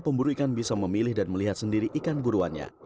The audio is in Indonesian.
perahu perhklan bisa memilih dan melihat sendiri ikan buruannya